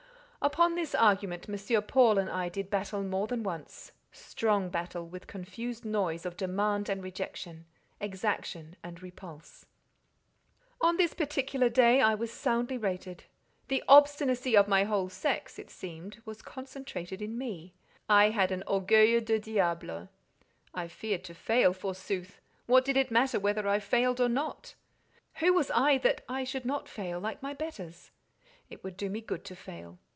Upon this argument M. Paul and I did battle more than once—strong battle, with confused noise of demand and rejection, exaction and repulse. On this particular day I was soundly rated. "The obstinacy of my whole sex," it seems, was concentrated in me; I had an "orgueil de diable." I feared to fail, forsooth! What did it matter whether I failed or not? Who was I that I should not fail, like my betters? It would do me good to fail.